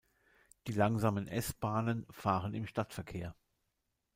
Die langsamen S-Bahnen fahren im Stadtverkehr.